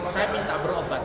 saya minta berobat